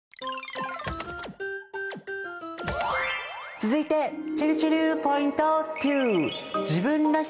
続いてちぇるちぇるポイント２！